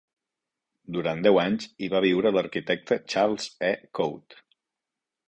Durant deu anys hi va viure l'arquitecte Charles E. Choate.